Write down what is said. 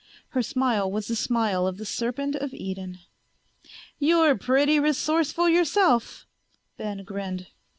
Her smile was the smile of the serpent of Eden. "You're pretty resourceful yourself," Ben grinned.